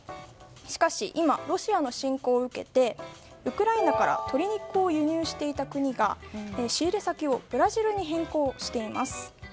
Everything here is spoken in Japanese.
しかし、今ロシアの侵攻を受けてウクライナから鶏肉を輸入してた国が仕入れ先をブラジルに変更しています。